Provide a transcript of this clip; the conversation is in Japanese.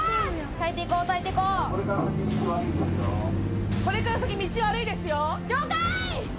耐えていこう耐えていこうこれから先道悪いですよ了解！